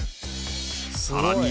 さらに